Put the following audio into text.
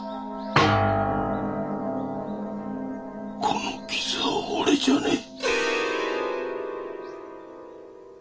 この傷は俺じゃねえ。